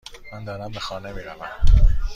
من دارم به خانه میروم.